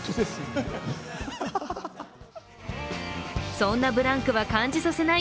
そんなブランクは感じさせない